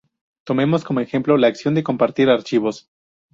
Tomemos como ejemplo la acción de compartir archivos.